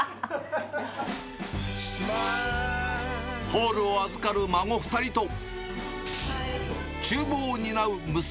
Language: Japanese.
ホールを預かる孫２人と、ちゅう房を担う娘